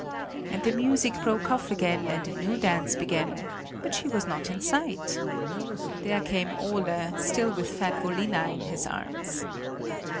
And the music broke off again, and a new dance began; but she was not in sight! There came Ole, still with fat Vollina in his arms!